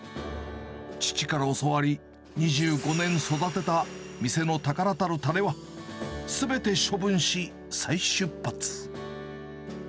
父から教わり２５年育てた、店の宝たるたれは、すべて処分し、再出発。